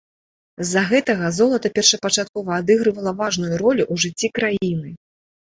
З-за гэтага, золата першапачаткова адыгрывала важную ролю ў жыцці краіны.